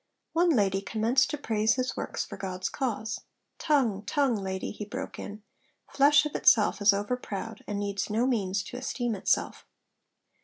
One lady commenced to praise his works for God's cause: 'Tongue! tongue! lady,' he broke in; 'flesh of itself is overproud, and needs no means to esteem itself.'